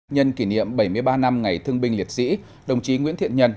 nhân kỷ niệm bảy mươi ba năm ngày thương binh liệt sĩ đồng chí nguyễn thiện nhân